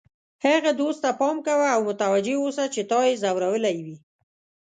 هغه دوست ته پام کوه او متوجه اوسه چې تا یې ځورولی وي.